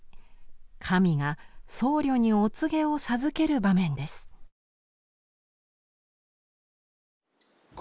神が僧侶にお告げを授ける場面です。